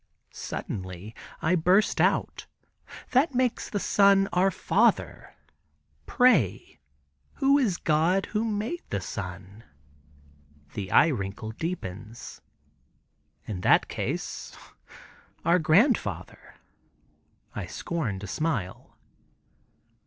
Suddenly I burst out, "That makes the sun our father. Pray, who is God, who made the sun?" The eye wrinkle deepens. "In that case, our grandfather." I scorn to smile.